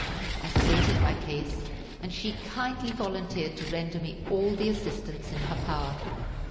I stated my case, and she kindly volunteered to render me all the assistance in her power.